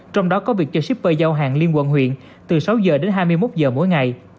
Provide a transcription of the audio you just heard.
trong đó có việc cho shipper giao hàng liên quận huyện từ sáu giờ đến hai mươi một giờ mỗi ngày